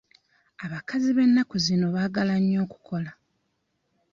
Abakazi b'ennaku zino baagala nnyo okukola.